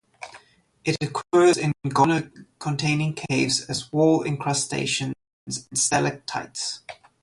It occurs in guano containing caves as wall encrustations and stalactites.